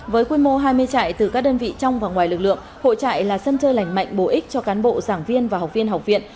với quy mô hai mươi trại từ các đơn vị trong và ngoài lực lượng hội trại là sân chơi lành mạnh bổ ích cho cán bộ giảng viên và học viên học viện